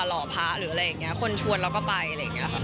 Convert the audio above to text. หล่อพระหรืออะไรอย่างนี้คนชวนเราก็ไปอะไรอย่างนี้ค่ะ